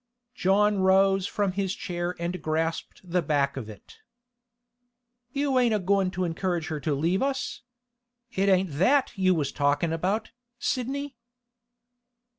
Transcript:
John rose from his chair and grasped the back of it. 'You ain't a goin' to encourage her to leave us? It ain't that you was talkin' about, Sidney?